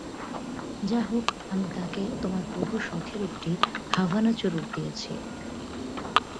যা হোক, আমি তাকে তোমার বহু শখের একটি হাভানা চুরুট দিয়েছি।